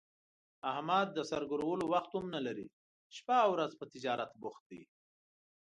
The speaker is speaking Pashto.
احمد د سر ګرولو وخت هم نه لري، شپه اورځ په تجارت بوخت دی.